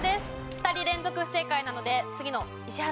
２人連続不正解なので次の石原さん